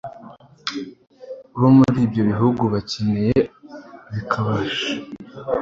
bo muri ibyo bihugu bakeneye bikabasha